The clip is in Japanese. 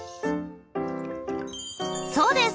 そうです！